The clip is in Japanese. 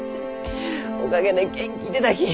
おかげで元気出たき。